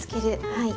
はい。